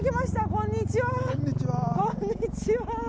こんにちは。